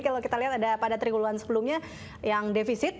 kalau kita lihat ada pada triwulan sebelumnya yang defisit